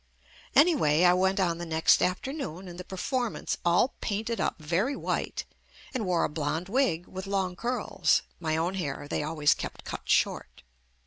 Anyway, I went on the next afternoon in the performance all painted up very white and wore a blonde wig with long curls (my own hair they always kept cut short)